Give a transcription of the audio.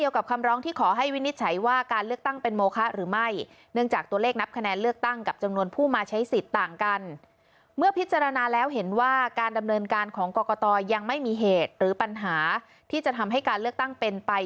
ยังไม่มีเหตุหรือปัญหาที่จะทำให้การเลือกตั้งเป็นไป